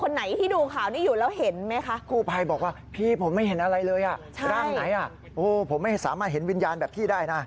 แล้วคุณพูดด้วยเห็นมั้ยคะคู่ภัยบอกว่าพี่ผมไม่เห็นอะไรเลยอ่ะใช่ด้านไหนอ่ะโอ้โหผมไม่สามารถเห็นวิญญาณแบบพี่ได้นะ